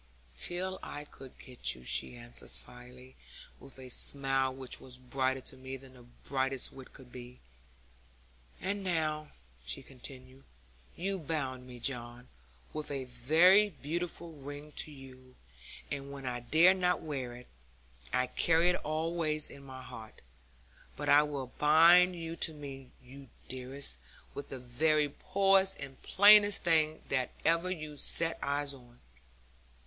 'Till I could get you,' she answered slyly, with a smile which was brighter to me than the brightest wit could be. 'And now,' she continued, 'you bound me, John, with a very beautiful ring to you, and when I dare not wear it, I carry it always on my heart. But I will bind you to me, you dearest, with the very poorest and plainest thing that ever you set eyes on.